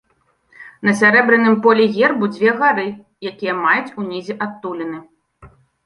На сярэбраным полі гербу дзве гары, якія маюць унізе адтуліны.